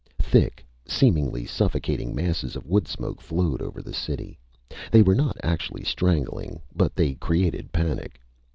Thick, seemingly suffocating masses of wood smoke flowed over the city. They were not actually strangling, but they created panic.